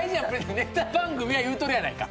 ネタ番組や言うとるやないか。